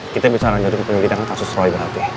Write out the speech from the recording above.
kita bisa lanjutin penyelidikan kasus roy berarti